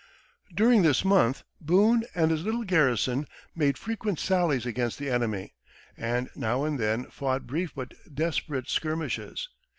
During this month Boone and his little garrison made frequent sallies against the enemy, and now and then fought brief but desperate skirmishes.